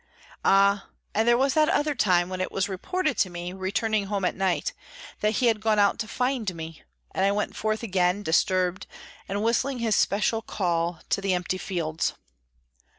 Ah! and there was that other time, when it was reported to me, returning home at night, that he had gone out to find me; and I went forth again, disturbed, and whistling his special call to the empty fields.